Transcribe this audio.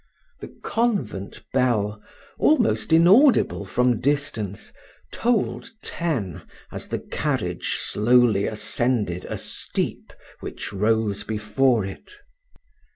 The convent bell, almost inaudible from distance, tolled ten as the carriage slowly ascended a steep which rose before it.